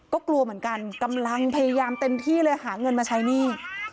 ก็กลัวเหมือนกันกำลังพยายามเต็มที่เลยหาเงินมาใช้หนี้